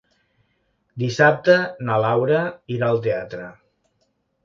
Dissabte na Laura irà al teatre.